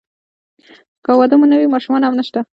که واده مو نه وي ماشومان هم نشته.